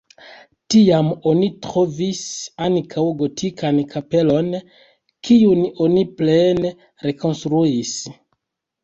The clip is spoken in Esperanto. Tiam oni trovis ankaŭ gotikan kapelon, kiun oni plene rekonstruis.